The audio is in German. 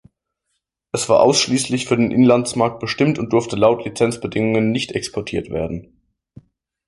Es war ausschließlich für den Inlandsmarkt bestimmt und durfte laut Lizenzbedingungen nicht exportiert werden.